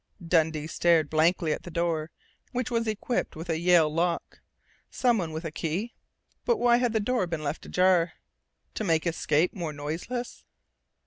_ Dundee stared blankly at the door, which was equipped with a Yale lock. Someone with a key.... But why had the door been left ajar? _To make escape more noiseless?